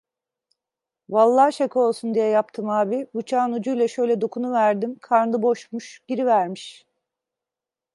Vallahi şaka olsun diye yaptım ağabey, bıçağın ucuyla şöyle dokunuverdim, karnı boşmuş, girivermiş!